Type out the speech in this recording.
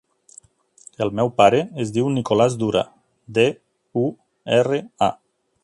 El meu pare es diu Nicolàs Dura: de, u, erra, a.